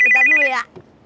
bentar dulu ya